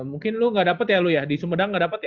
mungkin lu gak dapet ya lu ya di sumedang gak dapet ya